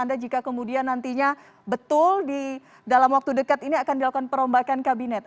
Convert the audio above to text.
anda jika kemudian nantinya betul di dalam waktu dekat ini akan dilakukan perombakan kabinet